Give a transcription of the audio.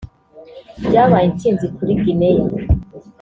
byabaye intsinzi kuri Guinea